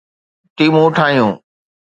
ٽيمون ٺاهيون